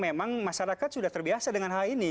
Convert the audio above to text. memang masyarakat sudah terbiasa dengan hal ini